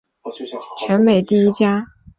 底特律最为突出的建筑是全美第一家。